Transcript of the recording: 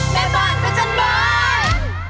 แม่บ้านพระจันทร์บ้าน